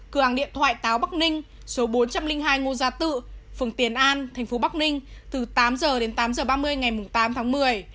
cường điện thoại táo bắc ninh số bốn trăm linh hai ngô gia tự phường tiền an thành phố bắc ninh từ tám h đến tám h ba mươi ngày tám tháng một mươi